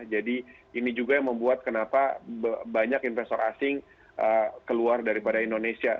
jadi ini juga yang membuat kenapa banyak investor asing keluar daripada indonesia